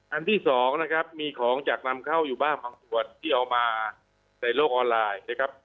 ที่สองนะครับมีของจากนำเข้าอยู่บ้างบางส่วนที่เอามาในโลกออนไลน์นะครับ